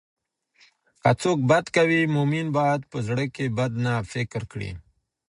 که څوک بد کوي، مؤمن باید په زړه کې بد نه فکر کړي.